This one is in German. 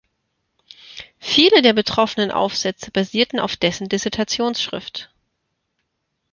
Viele der betroffenen Aufsätze basierten auf dessen Dissertationsschrift.